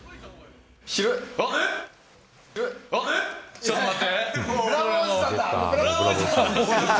ちょっと待って。